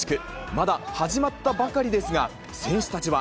まだ始まったばかりですが、選手たちは。